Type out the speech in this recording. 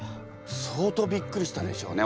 相当びっくりしたでしょうね